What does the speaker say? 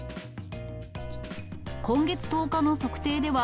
今月１０日の測定では、